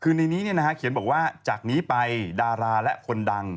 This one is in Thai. คือในนี้เขียนบอกว่าจากนี้ไปดาราและคนดัง